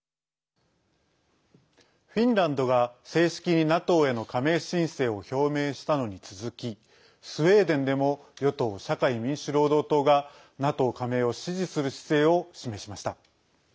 フィンランドが正式にＮＡＴＯへの加盟申請を表明したのに続きスウェーデンでも与党・社会民主労働党がＮＡＴＯ加盟を支持する姿勢を示しました。